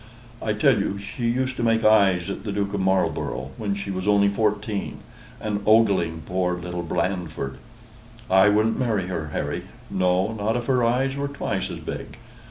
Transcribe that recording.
I tell you, she used to make eyes at the Duke of Marlborough, when she was only fourteen, and ogling poor little Blandford. I wouldn't marry her, Harry no, not if her eyes were twice as big.